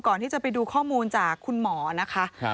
ก่อนที่จะไปดูข้อมูลจากคุณหมอนะคะ